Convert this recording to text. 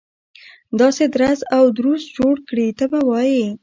داسې درز او دروز جوړ کړي ته به وایي.